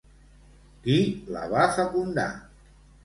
Qui la va fecundar?